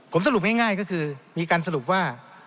ผมสรุปง่ายก็คือมีการสรุปว่า